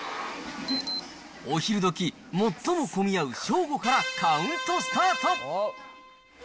お昼時、最も混みあう正午からカウントスタート。